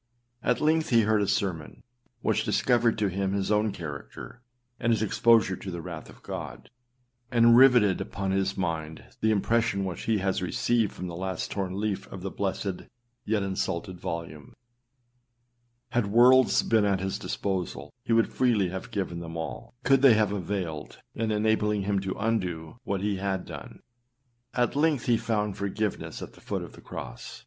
At length, he heard a sermon, which discovered to him his own character, and his exposure to the wrath of God, and riveted upon his mind the impression which he has received from the last torn 328 ClassicChristianLibrary.com 73 Effectual Calling Luke 19:5 leaf of the blessed, yet insulted volume. Had worlds been at his disposal, he would freely have given them all, could they have availed, in enabling him to undo what he had done. At length, he found forgiveness at the foot of the cross.